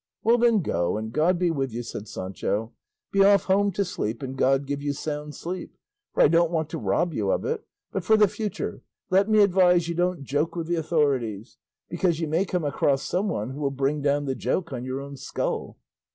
"Well then, go, and God be with you," said Sancho; "be off home to sleep, and God give you sound sleep, for I don't want to rob you of it; but for the future, let me advise you don't joke with the authorities, because you may come across some one who will bring down the joke on your own skull."